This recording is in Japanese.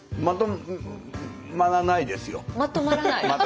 まとまらないですよ。